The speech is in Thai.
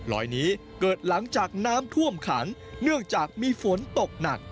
ลอยนี้เกิดหลังจากน้ำท่วมขันเนื่องจากมีฝนตกหนัก